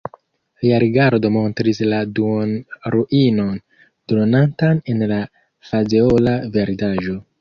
Lia rigardo montris la duonruinon, dronantan en la fazeola verdaĵo.